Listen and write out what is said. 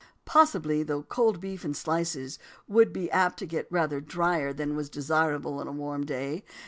Possibly; though cold beef in slices would be apt to get rather dryer than was desirable on a warm day.